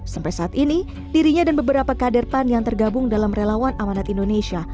sampai saat ini dirinya dan beberapa kader pan yang tergabung dalam relawan amanat indonesia